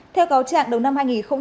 theo cáo trạng đầu năm hai nghìn hai mươi